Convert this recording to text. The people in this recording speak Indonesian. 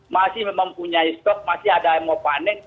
masih memang punya stok masih ada yang mau panen